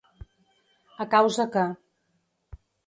A causa que.